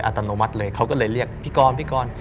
อัตโนมัติเลยเขาก็เลยเรียกพี่กรพี่กร